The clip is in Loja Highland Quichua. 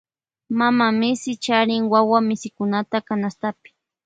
Mama misi charin wuwa misikunata canasta.